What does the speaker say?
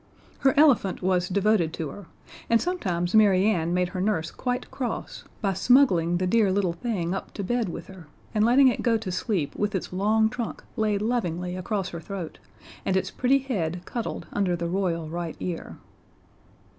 Her elephant was devoted to her, and sometimes Mary Ann made her nurse quite cross by smuggling the dear little thing up to bed with her and letting it go to sleep with its long trunk laid lovingly across her throat, and its pretty head cuddled under the Royal right ear.